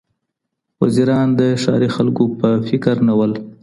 وزیران د ښاري خلکو په فکر نه ول.